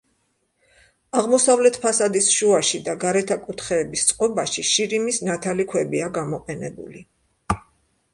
აღმოსავლეთ ფასადის შუაში და გარეთა კუთხეების წყობაში შირიმის ნათალი ქვებია გამოყენებული.